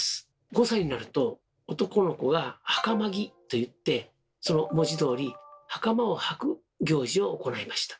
５歳になると男の子が「はかま着」と言ってその文字どおりはかまをはく行事を行いました。